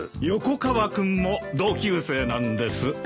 横川君も同級生なんです。